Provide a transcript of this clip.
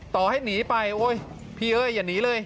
ต่อให้หนีไปโอ๊ยพี่เอ้ยอย่าหนีเลย